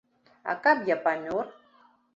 А каб я памёр?